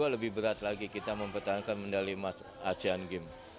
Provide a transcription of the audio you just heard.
dua ribu dua puluh dua lebih berat lagi kita mempertahankan mendalim asean games